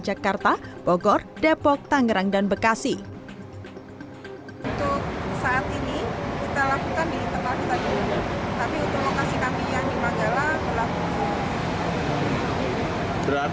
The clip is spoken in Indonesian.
jakarta bogor depok tangerang dan bekasi untuk saat ini kita lakukan di tempat tempat ini